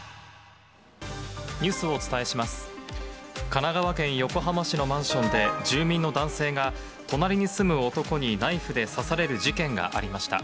神奈川県横浜市のマンションで住民の男性が、隣に住む男にナイフで刺される事件がありました。